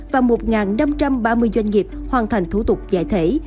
và một năm trăm ba mươi doanh nghiệp hoàn thành thủ tục giải thể